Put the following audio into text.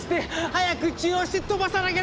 早く治療して飛ばさなければ！